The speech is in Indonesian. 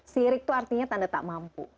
sirik itu artinya tanda tak mampu